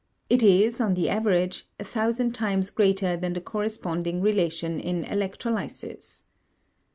It is, on the average, a thousand times greater than the corresponding relation in electrolysis.